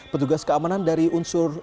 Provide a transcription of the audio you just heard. petugas keamanan dari unsur